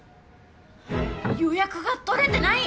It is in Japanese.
予約が取れてない！？